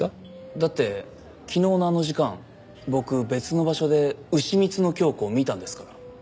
だって昨日のあの時間僕別の場所でうしみつのキョウコを見たんですから。